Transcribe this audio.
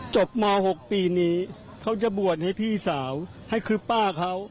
ม๖ปีนี้เขาจะบวชให้พี่สาวให้คือป้าเขา